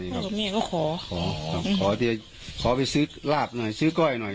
กับแม่ก็ขอขอเดี๋ยวขอไปซื้อลาบหน่อยซื้อก้อยหน่อย